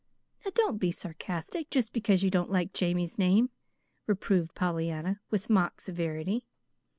"Now don't be sarcastic, just because you don't like Jamie's name," reproved Pollyanna, with mock severity.